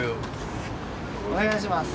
お願いします。